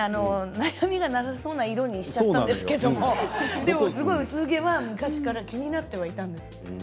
悩みがなさそうな色にしちゃったんですけど薄毛は昔から気になっていたんです。